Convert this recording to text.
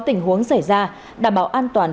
tình huống xảy ra đảm bảo an toàn